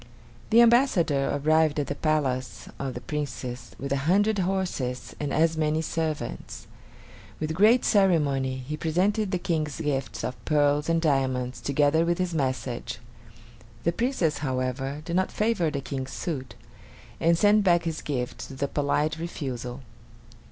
The ambassador arrived at the palace of the Princess with a hundred horses and as many servants. With great ceremony, he presented the King's gifts of pearls and diamonds, together with his message. The Princess, however, did not favor the King's suit, and sent back his gifts with a polite refusal.